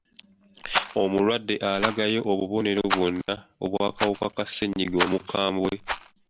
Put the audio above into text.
Omulwadde alagayo obubonero bwonna obw'akawuka ka ssenyiga omukambwe?